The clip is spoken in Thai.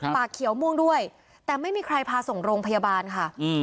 ปากเขียวม่วงด้วยแต่ไม่มีใครพาส่งโรงพยาบาลค่ะ